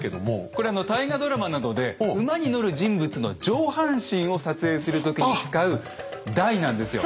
これあの大河ドラマなどで馬に乗る人物の上半身を撮影する時に使う台なんですよ。